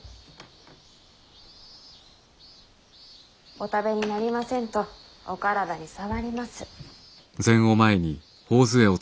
お食べになりませんとお体に障ります。